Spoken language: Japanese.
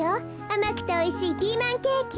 あまくておいしいピーマンケーキ。